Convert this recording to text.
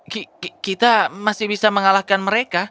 kita masih bisa mengalahkan mereka